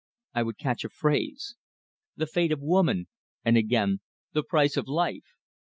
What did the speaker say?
I would catch a phrase: "The fate of woman!" And again: "The price of life!"